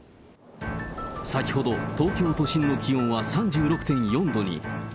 先ほど、東京都心の気温は３６．４度に。